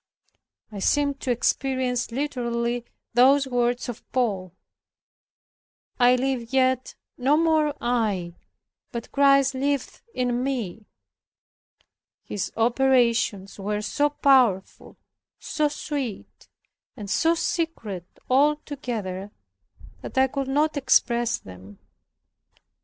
I seemed to experience literally those words of Paul, "I live yet, no more I, but Christ liveth in me." His operations were so powerful, so sweet, and so secret, all together, that I could not express them.